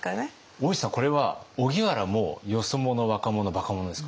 大石さんこれは荻原もよそ者若者バカ者ですか？